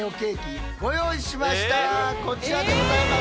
こちらでございます。